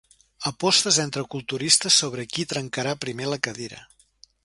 Apostes entre culturistes sobre qui trencarà primer la cadira.